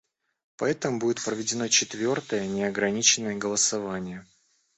Поэтому будет проведено четвертое неограниченное голосование.